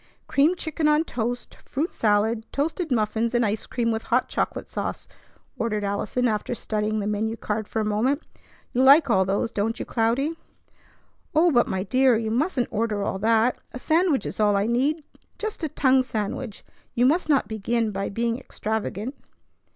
"Creamed chicken on toast, fruit salad, toasted muffins, and ice cream with hot chocolate sauce," ordered Allison after studying the menu card for a moment. "You like all those, don't you, Cloudy?" "Oh, but my dear! You mustn't order all that. A sandwich is all I need. Just a tongue sandwich. You must not begin by being extravagant."